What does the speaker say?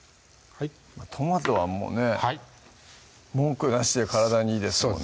トマトはもうね文句なしで体にいいですもんね